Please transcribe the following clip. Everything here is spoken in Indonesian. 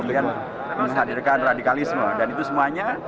untuk bersaudara berukuh islamnya